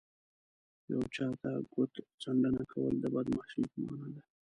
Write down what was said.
یو چاته ګوت څنډنه کول د بدماشۍ په مانا ده